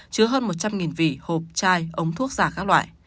chứa hơn một trăm linh vỉ hộp chai ống thuốc giả các loại